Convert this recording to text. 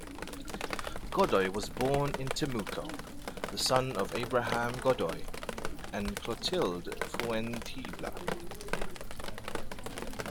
Godoy was born in Temuco, the son of Abraham Godoy and Clotilde Fuentealba.